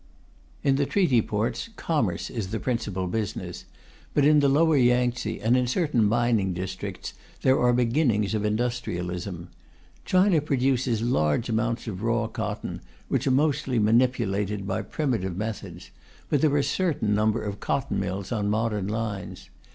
In the Treaty Ports commerce is the principal business; but in the lower Yangtze and in certain mining districts there are beginnings of industrialism. China produces large amounts of raw cotton, which are mostly manipulated by primitive methods; but there are a certain number of cotton mills on modern lines.